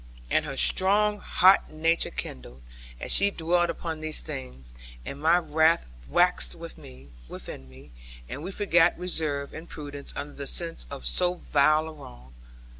And her strong hot nature kindled, as she dwelled upon these things; and my wrath waxed within me; and we forgot reserve and prudence under the sense of so vile a wrong.